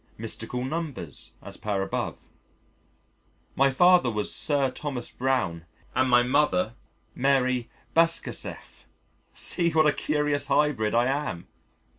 Mystical numbers (as per above). My father was Sir Thomas Browne and my mother Marie Bashkirtseff. See what a curious hybrid I am!